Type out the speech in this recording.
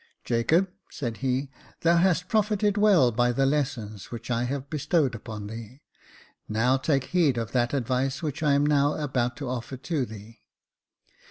" Jacob," said he, " thou hast profited well by the lessons which I have bestowed upon thee : now take heed of that advice which I am now about to offer to thee.